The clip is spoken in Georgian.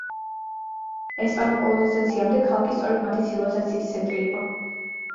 ესპანურ კოლონიზაციამდე, ქალაქი სწორედ მათი ცივილიზაციის ცენტრი იყო.